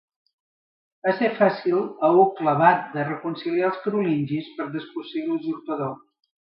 Va ser fàcil a Hug l'Abat de reconciliar els carolingis per desposseir l'usurpador.